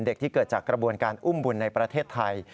ที่เกิดจากกระบวนการอุ้มบุญในประเทศไทย